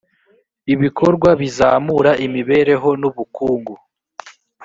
ibikorwa bizamura imibereho n ubukungu